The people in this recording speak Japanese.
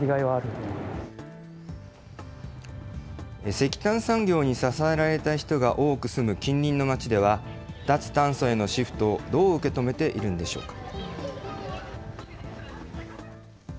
石炭産業に支えられた人が多く住む近隣の街では、脱炭素へのシフトをどう受け止めているんでしょうか。